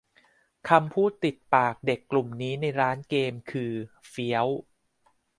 คำพูดติดปากเด็กกลุ่มนี้ในร้านเกม คือ เฟี้ยว